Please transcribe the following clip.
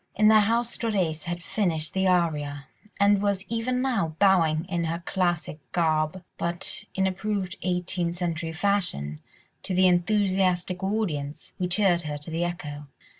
In the house Storace had finished the aria, and was even now bowing in her classic garb, but in approved eighteenth century fashion, to the enthusiastic audience, who cheered her to the echo.